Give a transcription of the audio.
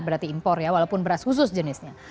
berarti impor ya walaupun beras khusus jenisnya